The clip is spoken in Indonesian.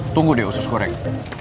tunggu deh usus goreng